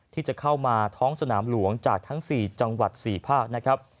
ที่จะเข้ามาท้องสนามหลวงจากทั้ง๔จังหวัด๔ภาคนะครับ